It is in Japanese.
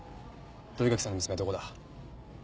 土居垣さんの娘はどこだ？